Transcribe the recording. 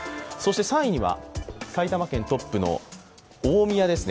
３位には埼玉県トップの大宮ですね